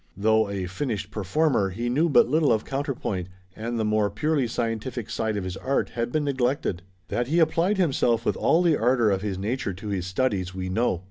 Though a finished performer, he knew but little of counterpoint, and the more purely scientific side of his art had been neglected. That he applied himself with all the ardor of his nature to his studies we know.